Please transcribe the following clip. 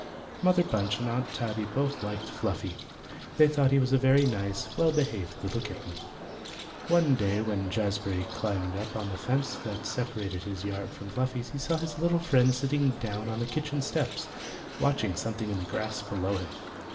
Mother Bunch and Aunt Tabby both liked Fluffy. They thought he was a very nice, well behaved little kitten. One day when Jazbury climbed up on the fence that separated his yard from Fluffy's he saw his little friend sitting down on the kitchen steps, watching something in the grass below him.